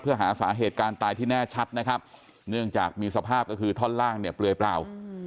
เพื่อหาสาเหตุการณ์ตายที่แน่ชัดนะครับเนื่องจากมีสภาพก็คือท่อนล่างเนี่ยเปลือยเปล่า